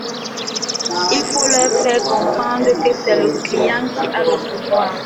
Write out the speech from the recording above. Il faut leur faire comprendre que c’est le client qui a le pouvoir.